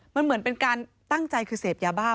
มันเหมือนเป็นการตั้งใจคือเสพยาบ้า